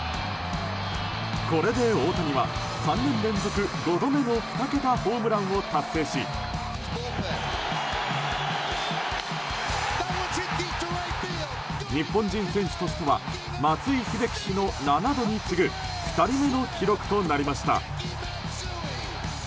これで大谷は、３年連続５度目の２桁ホームランを達成し日本人選手としては松井秀喜氏の７度に次ぐ２人目の記録となりました。